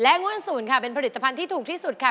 และงวลศูนย์เป็นผลิตภัณฑ์ที่ถูกที่สุดค่ะ